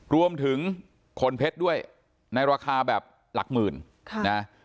รวมถึงคนเพชรด้วยในราคาแบบหลักหมื่นนะ